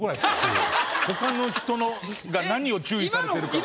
他の人のが何を注意されてるかとか。